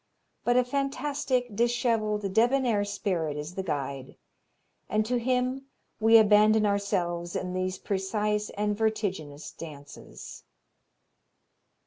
But a fantastic, dishevelled, debonair spirit is the guide, and to him we abandon ourselves in these precise and vertiginous dances.